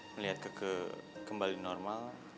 melihat keke kembali normal